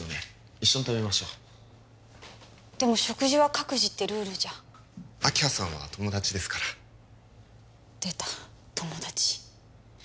一緒に食べましょうでも食事は各自ってルールじゃ明葉さんは友達ですから出た友達